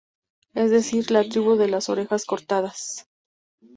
Es decir, la tribu de las orejas cortadas.